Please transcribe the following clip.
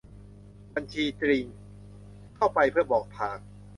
บัญชีจริง เข้าไป เพื่อบอกทาง